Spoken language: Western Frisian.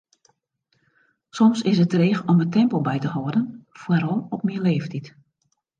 Soms is it dreech om it tempo by te hâlden, foaral op myn leeftiid.